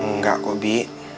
nggak kok bi